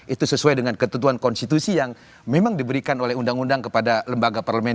itu sesuai dengan ketentuan konstitusi yang memang diberikan oleh undang undang kepada lembaga parlemen